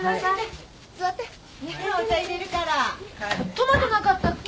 トマトなかったっけ？